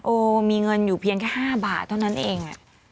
โอมีเงินอยู่เพียงแค่๕บาทเท่านั้นเอง